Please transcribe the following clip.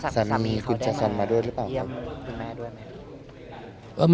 สามีคุณเจสันมาด้วยหรือเปล่าเยี่ยมคุณแม่ด้วยไหม